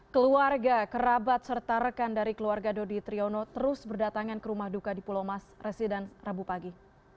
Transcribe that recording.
keluarga kerabat serta rekan dari keluarga dodi triyono terus berdatangan ke rumah duka di pulau mas residan rabu pagi